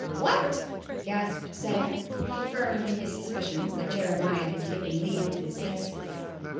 " What !" gasped Sam, confirmed in his suspi cions that Jeremiah had taken leave of his senses.